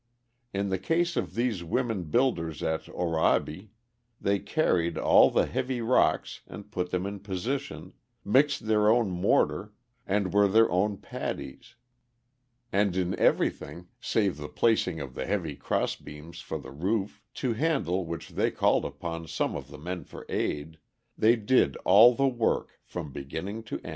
In the case of these women builders at Oraibi: they carried all the heavy rocks and put them in position, mixed their own mortar, and were their own paddies, and in everything, save the placing of the heavy crossbeams for the roof, to handle which they called upon some of the men for aid, they did all the work from beginning to end.